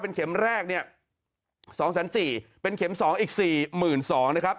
๒๙๐๐๐๐เป็นเข็มแรก๒๔๐๐๐๐เป็นเข็ม๒อีก๔๒๐๐๐นะครับ